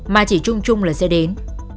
mà chỉ chung chung là sẽ đến